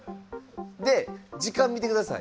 で時間見てください。